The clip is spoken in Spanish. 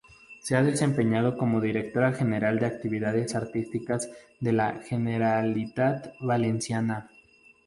Se ha desempeñado como Directora general de Actividades Artísticas de la Generalitat Valenciana.